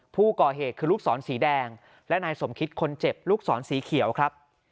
ผู้ก่อเหตุคือลูกศรสีแดงและนายสมคิดคนเจ็บลูกศรสีเขียวครับ